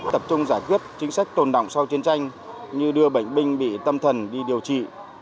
tập trung giải quyết chính sách tồn động sau chiến tranh như đưa bệnh binh bị tâm thần đi điều trị